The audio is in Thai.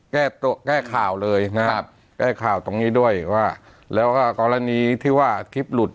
แก้แก้ข่าวเลยนะครับแก้ข่าวตรงนี้ด้วยว่าแล้วก็กรณีที่ว่าคลิปหลุด